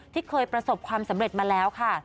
ที่เคยประสบความสำเร็จมาแล้วค่ะ